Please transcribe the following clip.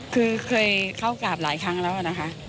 คือเคยเข้ากราบหลายครั้งแล้วนะคะ